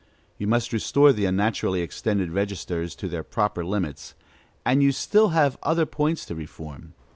You must restore the unnaturally extended registers to their proper limits; and you have still other points to reform.